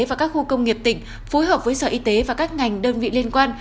và các khu công nghiệp tỉnh phối hợp với sở y tế và các ngành đơn vị liên quan